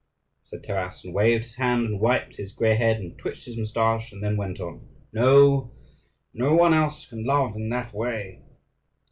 said Taras, and waved his hand, and wiped his grey head, and twitched his moustache, and then went on: "No, no one else can love in that way!